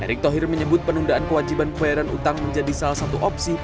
erik tohir menyebut penundaan kewajiban kebayaran utang menjadi salah satu opsi